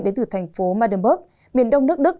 đến từ thành phố madenburg miền đông nước đức